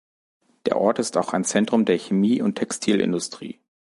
Der Ort ist auch ein Zentrum der Chemie- und Textilindustrie.